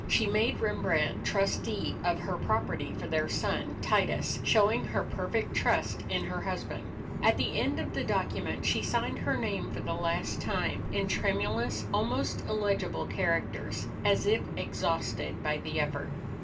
She made Rembrandt trustee of her property for their son Titus, showing her perfect trust in her husband. At the end of the document she signed her name for the last time in tremulous, almost illegible characters, as if exhausted by the effort.